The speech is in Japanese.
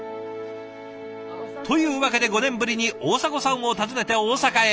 というわけで５年ぶりに大迫さんを訪ねて大阪へ。